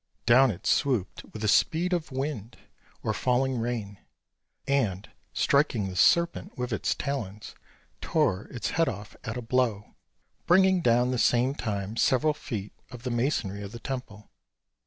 Down it swooped with the speed of wind or falling rain, and, striking the serpent with its talons, tore its head off at a blow, bringing down at the same time several feet of the masonry of the temple.